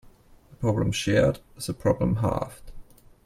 A problem shared is a problem halved.